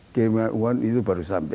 kemampuan uang itu baru sampai